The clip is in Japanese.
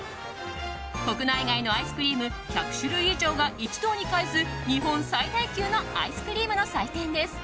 国内外のアイスクリーム１００種類情が一堂に会す、日本最大級のアイスクリームの祭典です。